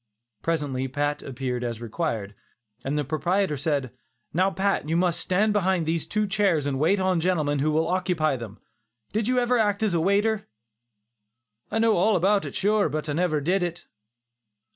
Presently Pat appeared as required, and the proprietor said: "Now Pat, you must stand behind these two chairs and wait on the gentlemen who will occupy them; did you ever act as a waiter?" "I know all about it sure, but I never did it."